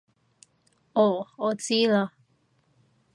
哦我知喇